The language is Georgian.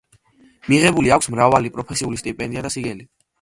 მიღებული აქვს მრავალი პროფესიული სტიპენდია და სიგელი.